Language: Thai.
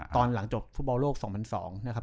ตอนหลังจบฟุตบอลโลก๒๐๐๒นะครับ